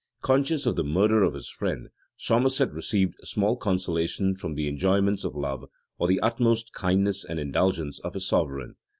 Conscious of the murder of his friend, Somerset received small consolation from the enjoyments of love, or the utmost kindness and indulgence of his sovereign.